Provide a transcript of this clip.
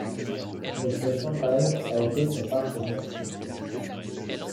Monsieur Champagne a été son partenaire.